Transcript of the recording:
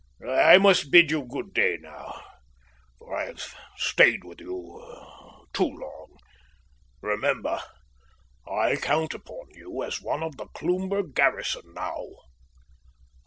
I must bid you good day now, for I have stayed with you too long. Remember, I count upon you as one of the Cloomber garrison now."